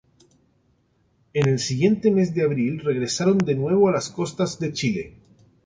En el siguiente mes de abril regresaron de nuevo a las costas de Chile"".